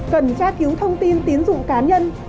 cần tra cứu thông tin tín dụng cá nhân